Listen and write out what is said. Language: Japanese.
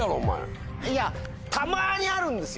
いやたまにあるんですよ。